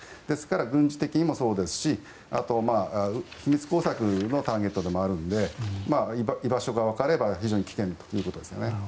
ですから、軍事的にもそうですしあと、秘密工作のターゲットでもあるので居場所がわかれば非常に危険ということですね。